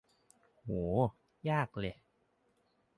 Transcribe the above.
โห ยากเลย